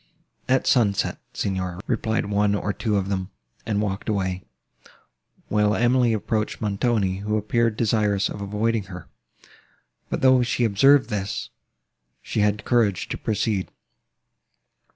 "At sunset, Signor," replied one or two of them, and walked away; while Emily approached Montoni, who appeared desirous of avoiding her: but, though she observed this, she had courage to proceed.